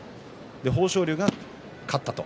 豊昇龍が勝ったと。